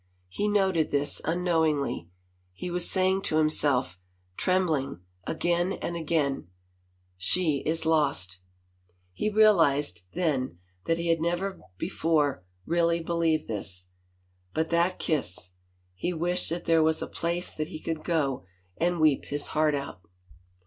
He noted this, unknowinglv. He was saying to himself, tremblingly again and again, " She is 223 THE FAVOR OF KINGS lost." He realized then that he had never before really believed this. But that kiss. ... He wished that there was a place that he could go and weep his heart out.